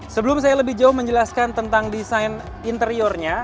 sebelum saya lebih jauh menjelaskan tentang desain interiornya